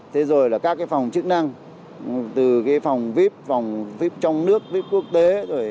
các phòng chức năng từ phòng vip phòng vip trong nước vip quốc tế